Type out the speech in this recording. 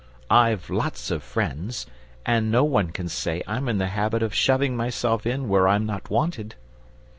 I've lots of friends, and no one can say I'm in the habit of shoving myself in where I'm not wanted!"